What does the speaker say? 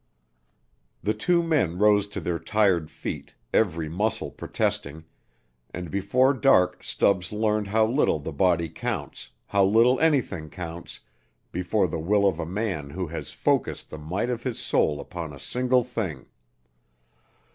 The two men rose to their tired feet, every muscle protesting, and before dark Stubbs learned how little the body counts, how little anything counts, before the will of a man who has focused the might of his soul upon a single thing.